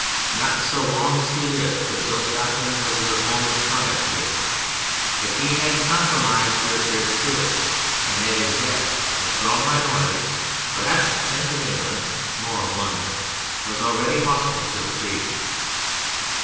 Not, so long as he lived, could those doctrines of the Reformers triumph here: but he had compromised with their spirit, and at his death a strong minority—perhaps a tenth of England, more of London—was already hostile to the Creed.